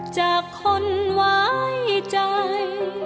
จากคนไว้ใจ